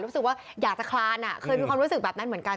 รู้สึกว่าอยากจะคลานเคยมีความรู้สึกแบบนั้นเหมือนกัน